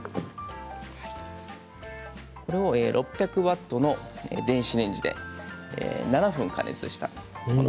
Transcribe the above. これを６００ワットの電子レンジで７分加熱したもの。